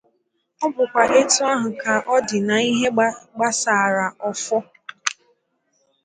Ọ bụkwa etu ahụ ka ọ dị n'ihe gbasaara ọfọ.